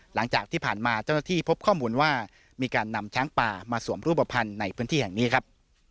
หลังจากที่ผ่านมาเจ้าหน้าที่พบข้อมูลว่ามีการนำช้างป่ามาสวมรูปภัณฑ์ในพื้นที่แห่งนี้ครับ